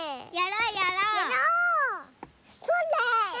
それ！